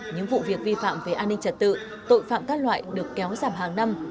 những vụ việc vi phạm về an ninh trật tự tội phạm các loại được kéo giảm hàng năm